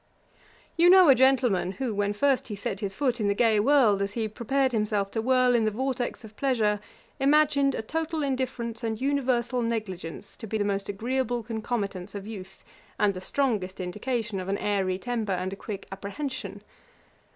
You know a gentleman, who, when first he set his foot in the gay world, as he prepared himself to whirl in the vortex of pleasure, imagined a total indifference and universal negligence to be the most agreeable concomitants of youth, and the strongest indication of an airy temper and a quick apprehension.